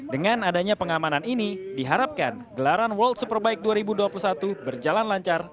dengan adanya pengamanan ini diharapkan gelaran world superbike dua ribu dua puluh satu berjalan lancar